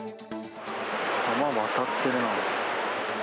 川渡ってるな。